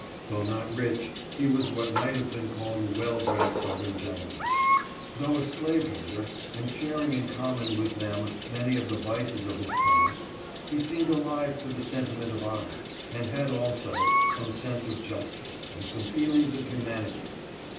Though not rich, he was what might have been called a well bred Southern gentleman. Though a slaveholder and sharing in common with them many of the vices of 184 RIVALRY AMONG SLAVES. his class, he seemed alive to the sentiment of honor, and had also some sense of justice, and some feelings of hu manity.